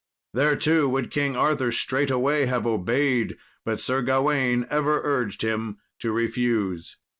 Thereto would King Arthur straightway have obeyed, but Sir Gawain ever urged him to refuse.